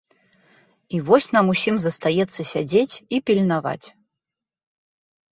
І вось нам усім застаецца сядзець і пільнаваць.